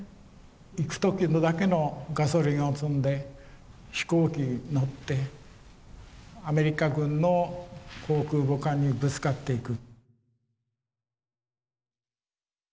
行く時だけのガソリンを積んで飛行機に乗ってアメリカ軍の航空母艦にぶつかっていく。